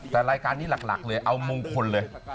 แต่รายการนี้หลักเลยเอามงคลเลย